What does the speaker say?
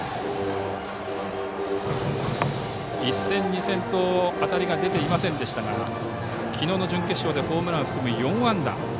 １戦、２戦と当たりが出ていませんでしたがきのうの準決勝でホームランを含む４安打。